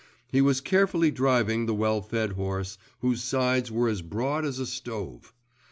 He was carefully driving the well fed horse, whose sides were as broad as a stove.